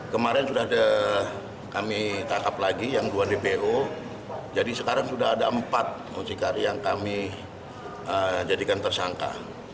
kemarin sudah kami tangkap lagi yang dua dpo jadi sekarang sudah ada empat mucikari yang kami jadikan tersangka